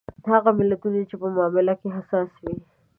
هغه ملتونه چې په معامله کې حساس وي.